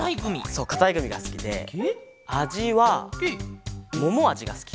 そうかたいグミがすきであじはももあじがすきかな。